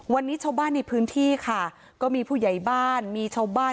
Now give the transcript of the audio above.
วันนี้ชาวบ้านในพื้นที่ค่ะก็มีผู้ใหญ่บ้านมีชาวบ้าน